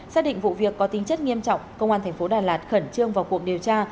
xác định vụ việc có tính chất nghiêm trọng công an thành phố đà lạt khẩn trương vào cuộc điều tra